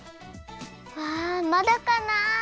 ああまだかな？